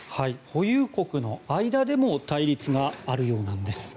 保有国の間でも対立があるようなんです。